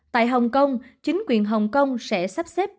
tại hồng kông chính quyền hồng kông sẽ sắp xếp